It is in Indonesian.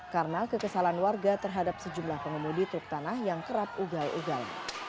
karena kekesalan warga terhadap sejumlah pengemudi truk tanah yang kerap ugal ugal